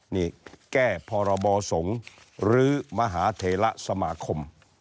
นี่แก้พรบสงฆ์หรือมหาเถระสมาคม